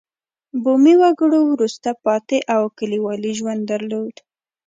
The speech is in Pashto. بومي وګړو وروسته پاتې او کلیوالي ژوند درلود.